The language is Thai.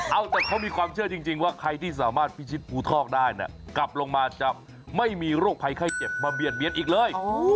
เอาแต่เขามีความเชื่อจริงว่าใครที่สามารถพิชิตภูทอกได้เนี่ยกลับลงมาจะไม่มีโรคภัยไข้เจ็บมาเบียดเบียนอีกเลย